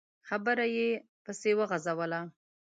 خبره يې پسې وغځوله.